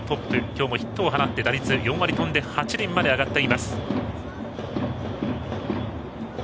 今日もヒットを放って打率も４割８厘まで上がっています。